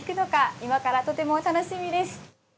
今からとても楽しみです。